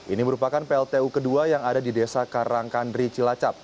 ini merupakan pltu kedua yang ada di desa karangkandri cilacap